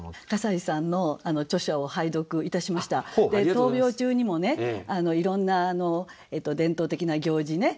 闘病中にもねいろんな伝統的な行事ね